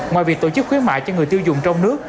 ngoài việc tổ chức khuyến mại cho người tiêu dùng trong nước